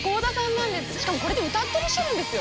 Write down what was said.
しかもこれで歌ってらっしゃるんですよ。